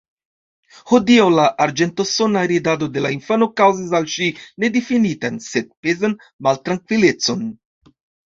Hodiaŭ la arĝentosona ridado de la infano kaŭzis al ŝi nedifinitan, sed pezan maltrankvilecon.